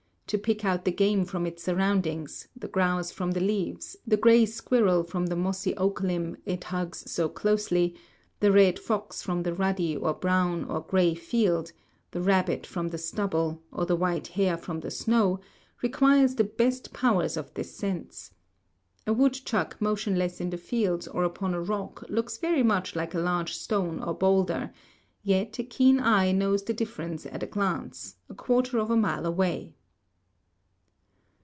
To pick out the game from its surroundings, the grouse from the leaves, the gray squirrel from the mossy oak limb it hugs so closely, the red fox from the ruddy or brown or gray field, the rabbit from the stubble, or the white hare from the snow, requires the best powers of this sense. A woodchuck motionless in the fields or upon a rock looks very much like a large stone or bowlder, yet a keen eye knows the difference at a glance, a quarter of a mile away.